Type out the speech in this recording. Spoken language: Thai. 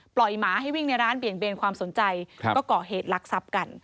หมาให้วิ่งในร้านเบี่ยงเบนความสนใจก็ก่อเหตุลักษัพกัน